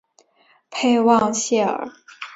佩旺谢尔。